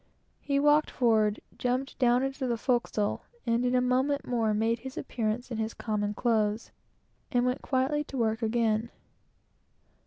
He walked forward, sprang into the forecastle, and in a moment more made his appearance in his common clothes, and went quietly to work again.